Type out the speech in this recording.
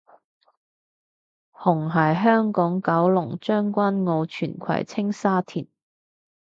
紅係香港九龍將軍澳荃葵青沙田